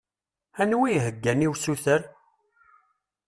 Anwa i yeheggan i usuter